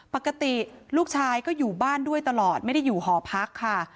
ปกติลูกชายก็อยู่บ้านด้วยตลอดไม่ได้อยู่หอพักค่ะ